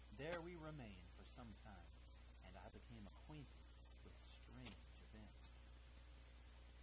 There we remained for some time, and I became acquainted with strange events."